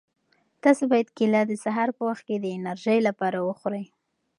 تاسو باید کیله د سهار په وخت کې د انرژۍ لپاره وخورئ.